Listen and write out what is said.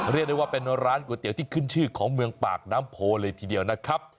เรียกได้ว่าเป็นร้านก๋วยเตี๋ยวที่ขึ้นชื่อของเมืองปากน้ำโพเลยทีเดียวนะครับ